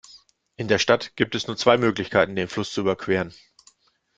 In der Stadt gibt es nur zwei Möglichkeiten, den Fluss zu überqueren.